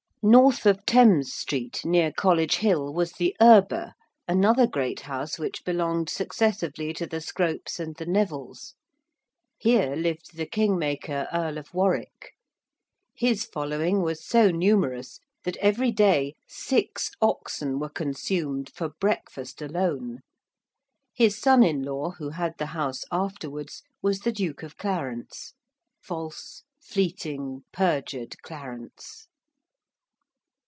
North of Thames Street near College Hill was the Erber, another great house which belonged successively to the Scropes and the Nevilles. Here lived the King maker Earl of Warwick. His following was so numerous that every day six oxen were consumed for breakfast alone. His son in law, who had the house afterwards, was the Duke of Clarence 'false, fleeting, perjured Clarence.'